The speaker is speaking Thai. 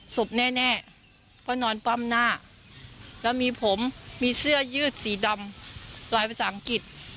แน่เพราะนอนป้อมหน้าแล้วมีผมมีเสื้อยืดสีดำลายภาษาอังกฤษ